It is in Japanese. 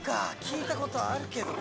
聞いたことあるけど。